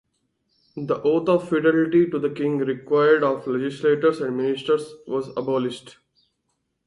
The oath of fidelity to the king required of legislators and ministers was abolished.